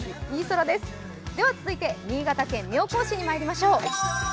続いて、新潟県妙高市にまいりましょう。